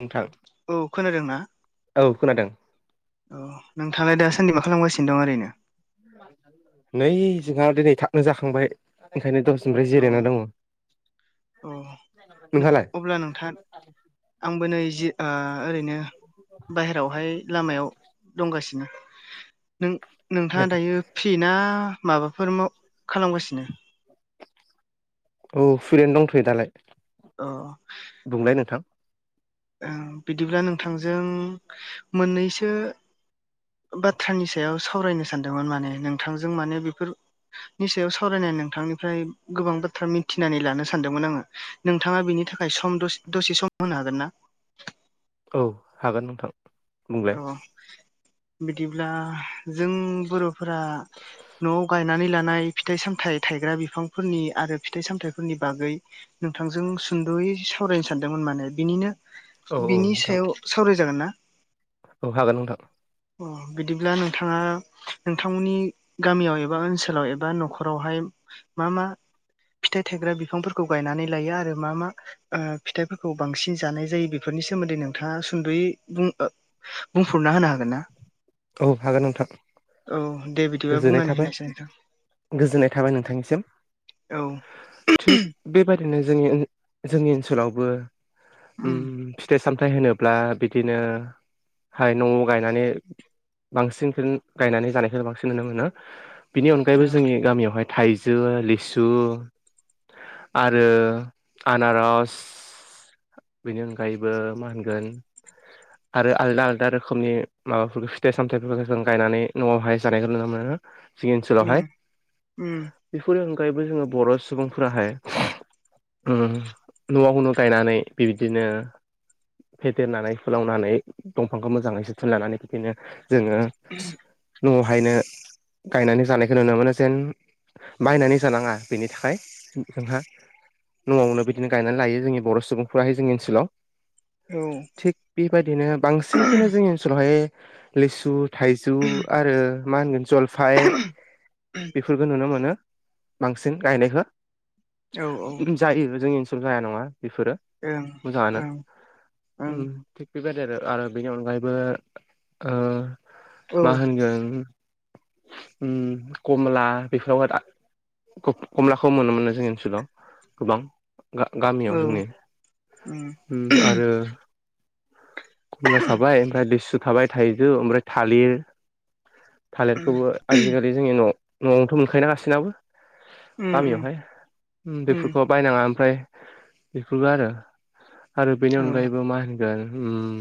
नोंथां, औ खोनादों ना? औ खोनादों, औ नोंथांलाय दाासान्दि मा खालामगासिनो दं ओरैनो नै जोंहा दिनै थाबनो जाखांबाय, [unintelligible] औ जिरायना दङ औ नोंहालाय? अब्ला नोंथां आंबो नै जि ओ ओरैनो बाहेरायावहाय लामायाव दंगासिनो नों नोंथाङा दायो फ्रि ना माबाफोर माव खालामगासिनो औ फ्रियैनो दंथ'यो दालाय अ बुंलाय नोंथां, ओ बिदिब्ला नोंथांजों मोननैसो, बाथ्रानि सायाव सावरायनो सानदोंमोन माने नोंथांजों माने बेफोर, निसायाव सावरायनानै नोंथांनिफ्राय गोबां बाथ्रा मिथिनानै लानो सानदोंमोन आङो, नोंथाङा बेनि थाखाय सम दसे सम होनो हागोन ना? औ हागोन नोंथां बुं, औ बिदिब्ला जों बर'फोरा न'आव गायनानै लानाय फिथाइ सामथायाइ थायग्रा बिफांफोरनि आरो फिथाइ सामथायफोरनि बागै नोंथांजों सुंद'यै सावरायनो सानदोंमोन माने बिनिनो औ औ बिनि नोंथां सायाव सावराय जागोन ना? औ हागोन नोंथां अ बिदिब्ला नोंथाङा नोंथांमोननि गामियाव एबा ओनसोलाव एबा न'खरावहाय मा मा? फिथाइ थाइग्रा बिफांफोरखौ गायनानै लायो आरो मा मा, ओ फिथाइफोरखौ बांसिन जानाय जायो बेफोरनि सोमोन्दै नोंथाङा सुद'यै बुं बुंफुरना होनो हागोन ना? औ हागोन नोंथां औ दे बिद, गोजोननाय थाबाय गोजोननाय थाबाय नोंथांनिसिम औ थिग बे बायदिनो जों जोंनि ओनसोलावबो उम फिथाइ सामथाय होनोब्ला बिदिनो, हाय न'आव गायनानै बांसिनखौ गायनानै जानायखौ बांसिन नुनो मोना बिनि अनगायैबो औ जोंनि गामियावहाय थाइजौ लिसु, आरो आनारस, बेनि अनगायैबो मा होनगोन, आरो आलदा आलदा रोखोमनि माबाफोरखौ फिथाइ सामथायफोरखौ जों गायनानै न'आवहाय, जानायखौ नुनो मोनो जोंनि ओनसोलावहाय, उम उम बेफोरनि अनगायैबो जोङो बर' सुबुंफोराहाय, न'आवनो गायनानै बिबदिनो फेदेरनानै फुोलावनानै दंफांखौ मोजाङै जोथोन लानानै बिदिनो जोङो न'आवहायनो गायनानै जानायखौ नुनो मोनो जेन बायनानै जानाङा बेनि थाखाय जोंहा न'आवनो बिदिनो गायनानै लायो जोंनि बर' सुबुंफोराहाय जोंनि ओनसोलाव औ। थिग बेबायदिनो बांसिनखौनो जोंनि ओनसोलावहाय लिसु थाइजौ आरो मा होनगोन जलफाय बेफोरखो नुनो मोनो बांसिन गायनायखो औ जायो जोंनि ओनसोलाव जाया नङा बेफोरो ओं मोजाङानो ओं ओं उम थिग बेबायदि आरो आरो बेनि अनगायैबो ओ औ मा होनगोन उम कमला बेफोराव दा खमलाखौ मोनोमोन जोंनि ओनसोलाव गोबां औ गामियाव जोंनि उम आरो खमला साबाय ओमफ्राय लिसु थाबाय थाइजौ ओमफ्राय थालिर उम थालिरखौबो आजिखालि जोंनि न' न'आवनोथ' मोनखायनांगासिनाबो। उम गामियावहाय उम बेफोरखौ बायनाङा ओमफ्राय बेफोरबो आरो आरो बेनि औ अनगायैबो मा होनगोन उम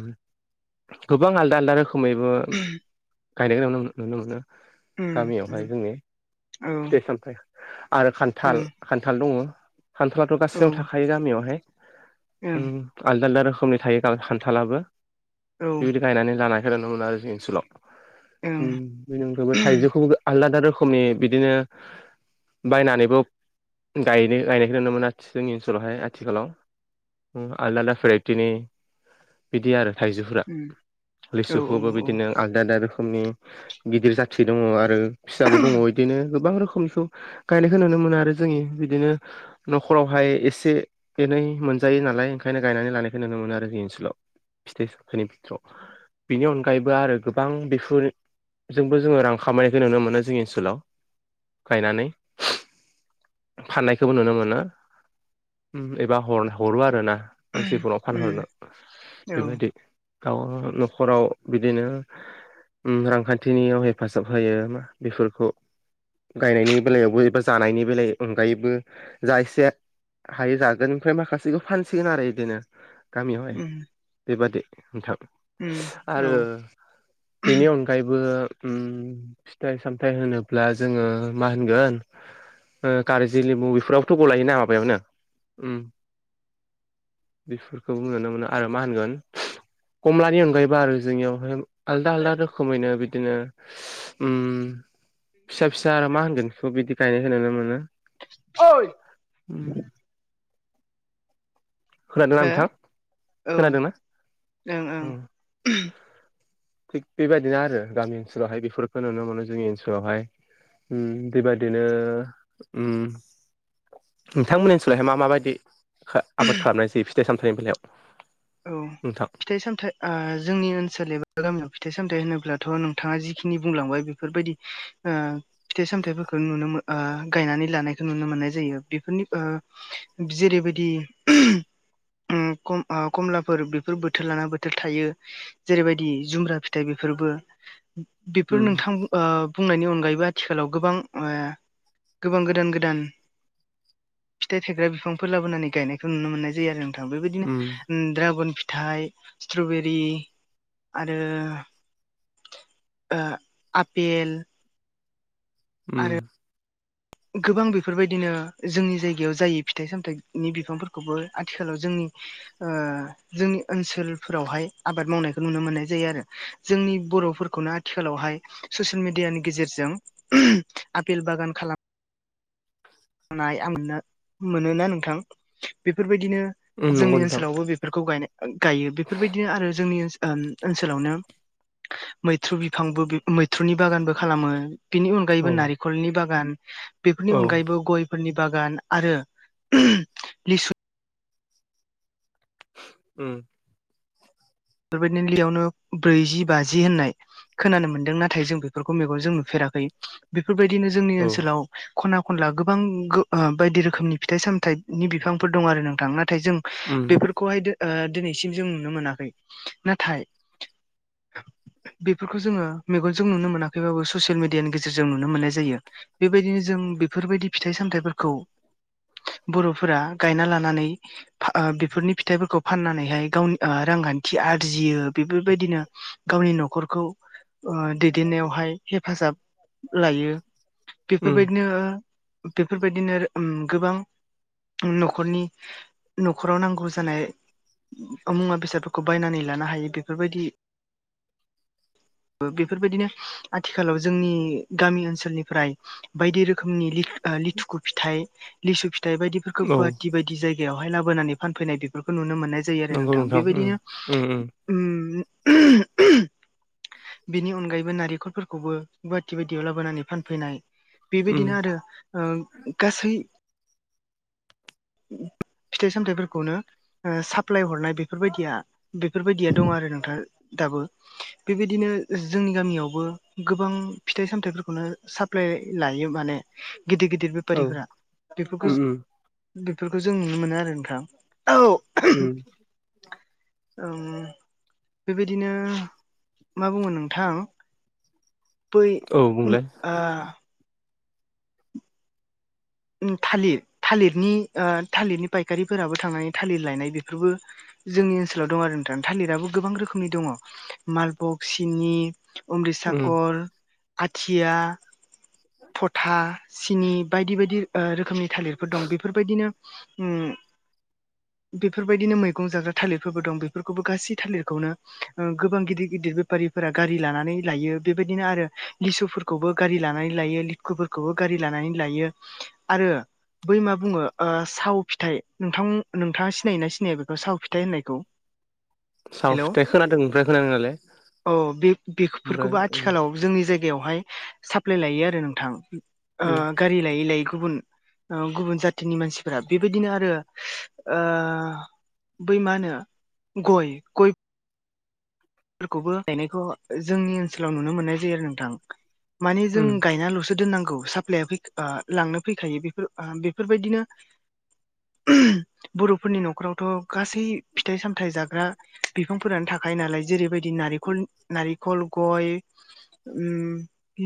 गोबां आलदा आलदा रोखो खमैबो गायनाय नुनो मोनो उम उम गामियावहाय जोंनि औ ओं फिथाइ सामथाय आरो खान्थाल खान्थाल दङ खान्थला औ गासिनाव ओं थाखायो गामियावहाय औ आलदा आलदा रोखोमनि थायो खान्थालाबो ओं बेबायदि गायनानै लानायख नुनो मोन आरो जों ओनसोलाव। बेनिफ्रायबो उम थाइजौखौबो आलादा रोखोमनि बिदिनो बायनानैबो गाय गायनायखौ नुनो मोन जोंनि ओनसोलावहाय आथिखालाव। आलदा आलदा बेरायथिनि बिदि आरो थाइजौफोरा औ औ औ लिसुखौबो बिदिनो आलदा आलदा रोखोमनि गिदिर जाथि दङ आरो फिसाबो दङ बिदिनो गोबां रोखोमनिखौ गायनायखौ नुनो मोनो आरो जोंनि बिदिनो न'खरावहाय एसे एनै मोनजायो नालाय ओंखायनो गायनानै लानायखौ नुनो मोनो आरो जोंनि ओनसोलाव फिथाइ सनि बिथोरआव बेनि अनगायैबो आरो गोबां बेफोर जोंबो जोङो रां खामायनायखौ नुनो मोनो जोंनि ओनसोलाव गायनानै फाननायखौबो नुनो मोनो एबा हरो आर ना। मानसिफोराव उम फानहरनो औ बेबायदि दाव न'खराव बिदिनो रांखान्थिनियाव हेफाजाब होयो मा बेफोरखौ गायनायनि बेलायावबो एबा जानायनि बेल अनगायैबो जा एसे हायो जागोन ओमफ्राय माखासेखौ फानसिगोन आरो बिदिनो गामियावहाय उम। बेबादि नोंथां उम औ आरो बेनि अन डायैबो उम फिथाइ सामथायाइ होनोब्ला जोङो मा होनगोन कारजि लेबु बेफोरावथ' गलायोना माबायावनो बेफोरखौ नुनो मोनो आरो मा होनगोन कमलानि अनगायैबो आरो जोंनियावहाय आलदा आलदा रोखोमैनो बिदिनो उम फिसा फिसा आरो मा होनगोन स' बिदि गायनायखौ नुनो मोनो। यै उम। खोनादोंना हो नोंथां औ ओं खोनादोंना? ओं [inaudible] थिग बेबायदिनो आरो गामि ओनसोलावहाय बेफोरखौ नुनो मोनो जोंनि ओनसोलावहाय। उम बेबायादिनो उम नोंथांमोननि सोलायहाय मा मााबायदि आबाद खालामनायसायो फिथाइ सामथाइनि बेलायाव। औ नोंथां फिथाइ सामथाइ ओ जोंनि ओनसोल एबा गामियाव फिथाइ सामथायाइ होनोब्लाथ' नोंथाङा जिखिनि बुंलांबाय बेफोरबायदि ओ फिथाइ सामथायाइफोरखौ नुनो मोन गायनानै लानायखौ नुनो मोननाय जायो बेफोरनि ओ जेरैबायदि [inaudible] खमलाफोर बेफोर बोथोर लाना बोथोर थायो। जेरैबायदि जुमब्रा फिथाइ बेफोरबो बेफोर उम नोंथां ओ बुंनायनि अनगायैबो आथिखालाव गोबां गोबां गोदान गोदान फिथाइ थायग्रा बिफांफोर लाबोनानै गायनायखौ नुनो मोननाय जायो आरो नोंथां। बेबायदिनो उम ड्रागन फिथाइ स्ट्रबेरि आरो आपेल उम। आरो गोबां बेफोरबायदिनो जोंनि जायगायाव जायो फिथाइ सामथाइनि बिफांफोरखौबो आथिखालाव जोंनि [inaudible] जोंनि ओनसोलफोरावहाय आबाद मावनायखौ नुनो मोननाय जायो आरो जोंनि बर'फोरखौनो आथिखालावहाय। ससियेल मेडियानि गेजेरजों आपेल बागान खालाम नाय मोनोना नोंथां बेफोरबायदिनो उम नंगौ जोंनि नोंथां ओनसोलावबो बेफोरखौ गाय गायो बेफोरबायदिनो आरो जोंनि ओ। ओनसोलावनो मैथ्रु बिफांबो मैथ्रुनि बागानबो खालामो। बेनि अनगायैबो औ नारखलनि बागान बेफोरनि औ अनगायैबो। गनि ब। उ। बेफोरबायदिनोलियावनो ब्रैजि बाजि होननाय। खोनानो मोन्दों नाथाय जों बेफोरखौ मेगनजों नुफेराखै बेफोरबायदिनो जोंनि औ ओनसोलाव। खना खनला गोबां बायदि रोखोमनि फिथाइ सामथाइनि बिफांफोर दं आरो नोंथां नाथाय जों। उम। खौहाय दिनैसिम जों नुनो मोनाखै नाथाय। [inaudible] बेफोरखौ जोङो मेगनजों नुनो मोनाखैबाबो ससियेल मिडियानि गेजेरजों नुनो मोननाय जायो। बेबायदिनो जों बेफोरबायदि फिथाइ सामथाइफोरखौ। बर'फोरा गायना लानानै। बेफोरनि फिथाइफोरखौ फाननानैहाय गावनि रांान्थि। खि आरजियो बेफोरबायदिनो गावनि न'खरखौ। दैदेननायावहाय हेफाजाब लायो। उम बेफोरबायदिनो बेफोरबायदिनो गोबां। न'खरनि न'खराव नांगौ जानाय मुवा बेसाद। खौ बायनानै लानो हायो बेफोरबायदि। [inaudible] बेफोरबायदिनो आथिखालाव जोंनि गामि ओनसोलनिफ्राय। बायदि रोखोमनि लिथुखु फिथाइ लिसु फिथाइ बायदि। बेफोरखौ औ गुवाहाटि बायदि जायगायावहाय लाबोनानै फानफैनाय बेफोरखौ नुनो मोननाय। नंगौ नोंथां। उ। बेनि अनगायैबो नारेंखलफोरखौबो गुवाहाटि बायदियाव लाबोनानै फानफैनाय। उम बेबायदिनो आरो गासै। फिथाइ सामथायाइफोरखौनो साप्लाय हरनाय बेफोरबायदिया। बेफोरबायदिया दं आरो नोंथाङा दाबो। बेबायदिनो जोंनि गामियावबो गोबां फिथाइ सामथाइफोरखौनो साप्लाय लायो माने। गिदिर गिदिर औ बेफारिफोरा बेफोरखौ। उम उम बेफोरखौ जों नुनो मोनो आरो नोंथां औ। उम बेबायदिनो मा बुङो नोंथां औ बुंलाय [inaudible] थालिर थालिरनि थालिरनि फायखारिफोराबो थांनानै थालिर लायनाय बेफोरबो जोंनि ओनसोलाव दं आरो नोंथांा थालिराबो गोबां रोखोमनि दङ मालबक सिनि अमृतसाखर आथिया फथा सिनि बायदि बायदि रोखोमनि थालिरफोर दं बेफोरबायदिनो बेफोरबायदिनो मैगं जाग्रा थालिरफोरबो दं बेफोरखौबो गासै थालिरखौनो गोबां गिदिर गिदिर बेफारिफोरा गारि लानानै लायो बेबायदिनो आरो गिसुफोरखौ खौबो गारि लानानै लायो लिकुफोरखौबो गारि लानानै लायो [inaudible] आरो बै मा बुङो साव फिथाइ नोंथां नोंथाङा सिनायोना सिनाया बेखौ साव फिथाइ होननायखौ साव हेलौ फिथाइ खोनादों ओमफ्राय खानानायालाय औ बे बेफोरखौबो ओमफ्राय आथिखालाव जोंनि जायगायावहाय साप्लाय लायो आरो नोंथां उम गारि लायै लायै गुबुन गुबुन जाथिनि मानसिफोरा बेबायदिनो आरो बै मा होनो गय गय फोरखौबो गायनायखौ जोंनि ओनसोलाव नुनो मोननाय जायो आरो नोंथां माने जों उम गायनालसो दोननांगौ साफ [inaudible] [inaudible] बर'फोरनि नखरावथ गासै फिथाइ सामथायाइ जाग्रा बिफांफोरानो थाखायो नालाय जेरैबायदि नारेखल नारेखल गय उम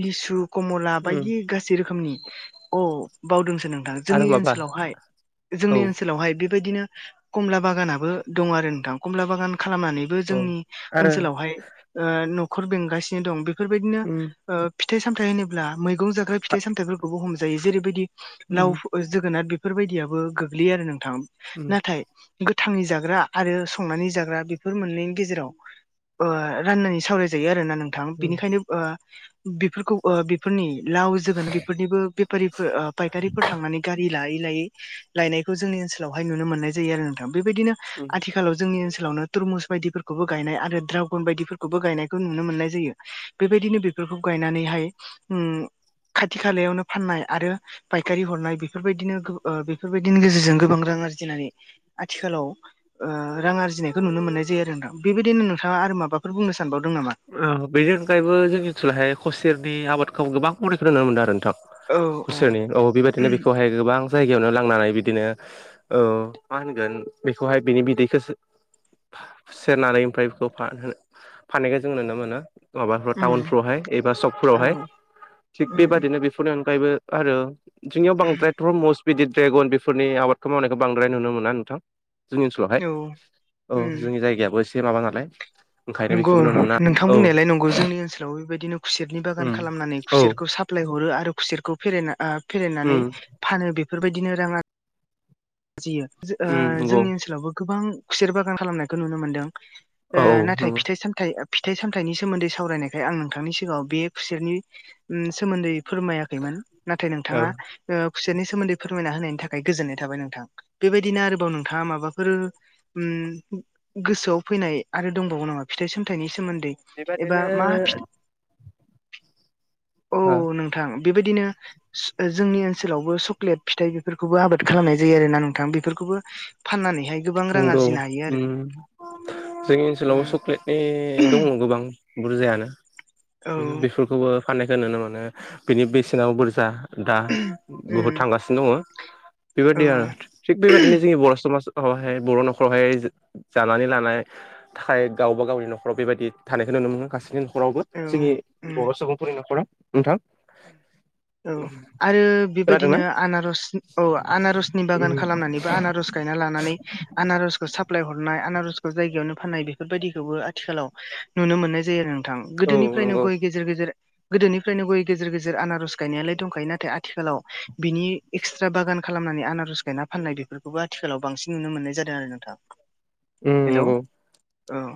लिसु कमला बायदि उम गासै रोखोमनि अ बावदोंस सो नोंथां आरो जोंनि माबा ओनसोलावहाय जोंनि औ ओनसोलावहाय बेबायदिनो कमला बागानाबो दं आरो नोंथां कमला बागान खालामनानैबो औ जोंनि आरो [inaudible] गो उम फिथाइ सामथायफोरखौबो हमजायो जेरैबायदि लाव उम जोगोनाथ बेफोरबायदियाबो गोगलैयो आरो नोंथां उम नाथाय गोथाङै जाग्रा आरो संनानै जाग्रा बेफोर मोननायनि गेजेराव राननानै सावराय जायो आरोना नोंथां उम बेनिखायनो बेफोरखौ [inaudible] लायनायखौ जोंनि ओनसोलावहाय नुनो मोननाय जायो आरो नोंथां बेबायदिनो आथिख [inaudible] बेबायदिनो बेफोरखौ गायनानैहाय उम खाथि खालायावनो फाननाय आरो फायखारि हरनाय बेफोरबायदिनो गो बेफोरबायदिनि गेजेरजों गोबां रां आरजिनानै आथिखालाव रां आरजिनायखो नुनो मोननाय जायो आरो दा बेबायदिनो नो थां आरो माबाफोर बुंनो सानबावदों नामा बेनि अनगायैबो जोंनिथिंहाय खुसेरनि आबादखौ गोबां बरिखौ नुनो मोन्दों नोंथां खुसेरनि औ बेबायदिनो बेखौहाय गोबां जायगायावनो लांनानै बिदिनो औ मा होनगोन बेखौहाय बिनि बिदैखौसो सेरनानै ओमफ्राय बेखौ फाननायखो जों नुनो मोनो उम औ उम [inaudible] [inaudible] जोंनि ओनसोलावहाय औ औ उम जोंनि जायगायाबो एसे माबा नालाय ओंखायनो नंगौ बेफोरखो नुनो मोना नोंथां औ बुंनायलाय नंगौ जोंनि ओनसोलाव बेबायदिनो खुसेरनि बागान उम खालामनानै औ खुसेरखौ साफ प्लाय हरो आरो खुसेरखौ फेरेना फेरेनानै उम फानो बेफोरबायदिनो रां आर जियो उम नंगौ जोंनि ओनसोलावबो गोबां खुसेर बागान खालामनायखो नुनो मोनदों औ औ नाथाय नंगौ फिथाइ सामथाइ फिथाइ सामथाइनि सोमोन्दै सावरायनायखाय आं नोंथांनि सिगाङाव बे खुसेरनि सोमोन्दै फोरमायाखैमोन नाथाय औ नोंथाङा खुसेरनि सोमोन्दै फोरमायना होनायनि थाखाय गोजोनाय थाबाय नों थां बेबायदिनो आरोबाव नोंथाङा माबाफोर गोसोआव फैनाय आरो दंबावो नामा फिथाइ सामथाइनि सोमोन्दै एबा बेबादिनो मा फि औ नों थां बेबायदिनो जोंनि ओनसोलावबो सक्लेट फिथाइ बेफोरखौबो आबाद खालामनाय जायो आरोना नोंथां बेफोरखौबो फाननानैहाय गोबां रां नोंगौ आरजिनो हायो आरो जोंनि ओनसोलाव उम सक्लेटनि दङ गोबां बुरजायानो औ बेफोरखौबो फाननायखो नुनो मोनानो बिनि बेसेनाबो बुरजा दा बुहुद उम थांगासिनो दङ बेबायदि आरो औ थिग बेबायदिनो औ जोंनि बर' समाज बर' नखरावहाय जानानै लानाय [inaudible] जोंनि बर' सुबुंफोरनि नखरा उ औ आरो खोनादोंना बेबायदिनो आनारस औ आनारसनि बागान उम खालामनानैबो आनारस गायना लानानै आनारसखौ साप्लाय हरनाय आनारसखौ जायगायावनो फाननाय बेफोरबायदिखौबो आथिखालाव नुनो मोननाय जायो आरो नोंथां औ गोदोनिफ्रायनो नंगौ गय गेजेर गेजेर गोदोनिफ्रायनो गय गेजेर गेजेर आनारस गायनायालाय दंखायो नाथाय आथिखालाव बिनि एक्सट्रा बागान खालामनानै आनारस गायना फाननाय बे बेफोरखौबो आथिखालाव बांसिन नुनो मोननाय जादों आरो नोंथां [inaudible] हेलौ नंगौ औ।